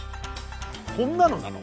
こんなのなの？